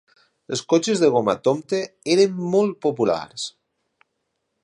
Els cotxes de goma Tomte eren molt populars.